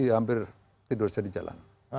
hampir tidur saya di jalanan